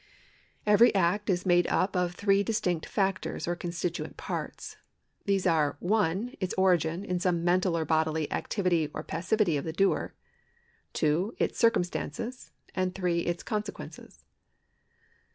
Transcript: Every act is made up of three distinct factors or constituent parts. These are (1) its origin in some mental or bodily ac tivity or passivity of the doer, (2) its circumstances, and (3) its consequences.